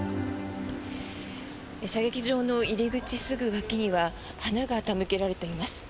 射撃場の入り口すぐ脇には花が手向けられています。